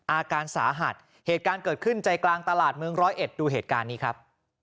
อาการสาหัสเหตุการณ์เกิดขึ้นใจกลางตลาดเมืองร้อยเอ็ดดูเหตุการณ์นี้ครับ